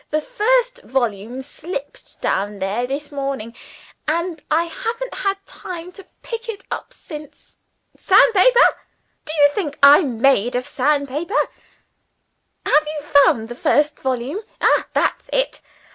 The first volume slipped down there this morning, and I haven't had time to pick it up since. (Sandpaper! Do you think I'm made of sandpaper!) Have you found the first volume? Ah, that's it.